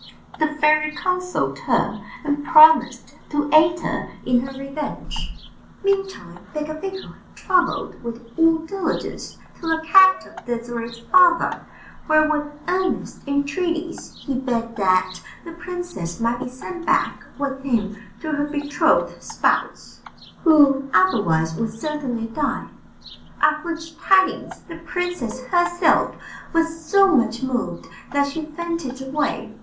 The fairy consoled her, and promised to aid her in her revenge. Meantime Becafico had travelled with all diligence to the capital of Désirée's father, where with earnest entreaties he begged that the princess might be sent back with him to her betrothed spouse, who otherwise would certainly die; at which tidings the princess herself was so much moved that she fainted away.